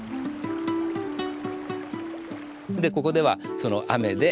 ここではその雨で。